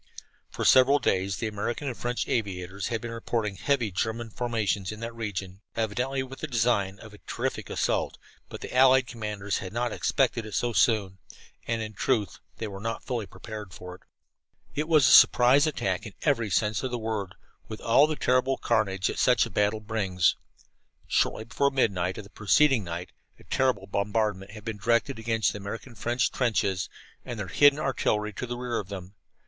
For several days the American and French aviators had been reporting heavy German formations in that region, evidently with the design of a terrific assault, but the allied commanders had not expected it so soon, and in truth they were not fully prepared for it. It was a surprise attack in every sense of the word, with all the terrible carnage that such a battle brings. Shortly before midnight of the preceding night a terrible bombardment had been directed against the American French trenches, and their hidden artillery to the rear of them.